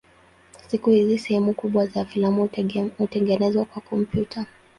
Siku hizi sehemu kubwa za filamu hutengenezwa kwa kompyuta.